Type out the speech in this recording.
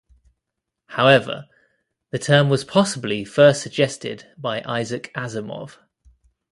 However, the term was possibly first suggested by Isaac Asimov.